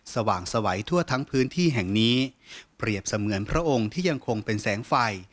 สว่างสวัยทั่วทั้งพื้นที่แห่งนี้เปรียบเสมือนพระองค์ที่ยังคงเป็นแสงไฟ